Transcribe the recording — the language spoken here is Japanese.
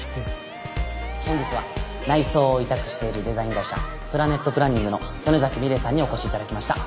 本日は内装を委託しているデザイン会社プラネットプランニングの曽根崎ミレイさんにお越し頂きました。